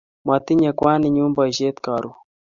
Matinye kwaninyu poishet karon